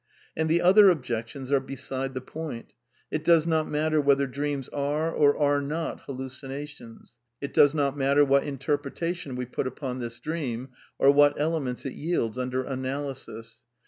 And the other objections are beside the point. It does not matter whether dreams are or are not hallucinations ; it does not matter what interpretation we put upon this dream, or what elements it yields under analysis.